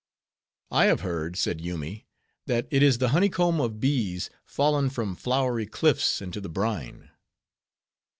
"I have heard," said Yoomy, "that it is the honey comb of bees, fallen from flowery cliffs into the brine."